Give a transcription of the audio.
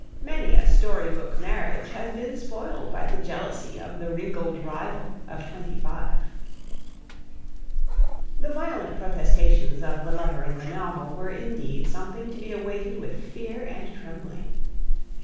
Many a story book marriage has been spoiled by the jealousy of the wrinkled rival of twenty five. [Sidenote: The First Proposal] The violent protestations of the lover in the novel were indeed something to be awaited with fear and trembling.